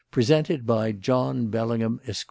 Presented by John Bellingham, Esq."